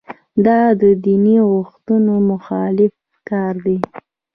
دا د دین غوښتنو مخالف کار دی.